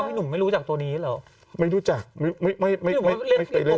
หนุ่มไม่รู้จักตัวนี้เหรอไม่รู้จักไม่ไม่ไม่ไม่ไม่เคยเล่น